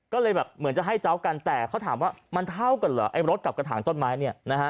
ก็เลยแบบเหมือนจะให้เจ้ากันแต่เขาถามว่ามันเท่ากันเหรอไอ้รถกับกระถางต้นไม้เนี่ยนะฮะ